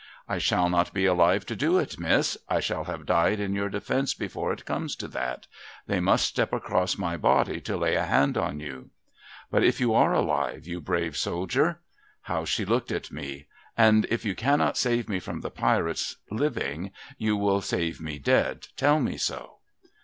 ' I shall not be alive to do it, Miss. I shall have died in your defence before it comes to that. They must step across my body to lay a hand on you.' ' But, if you are alive, you brave soldier.' How she looked at me :' And if you cannot save me from the Pirates, living, you will save me, dead. Tell me so.'